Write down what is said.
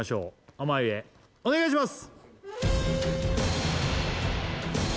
濱家お願いします！